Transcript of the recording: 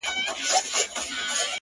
دعا !! دعا !! دعا !!دعا كومه!!